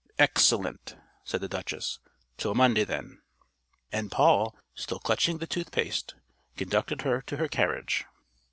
"Excellent," said the Duchess. "Till Monday, then." And Paul, still clutching the tooth paste, conducted her to her carriage.